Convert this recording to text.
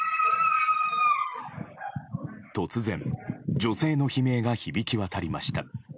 突然、女性の悲鳴が響き渡りました。